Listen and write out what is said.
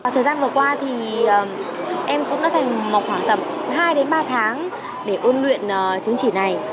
thời gian vừa qua thì em cũng đã dành một khoảng tầm hai ba tháng để ôn luyện chứng chỉ này